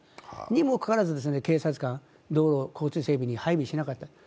にもかかわらず警察官、道路交通整備に配備しなかった。